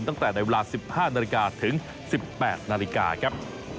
ตั้งแต่ในเวลา๑๕นาฬิกาถึง๑๘นาฬิกาครับ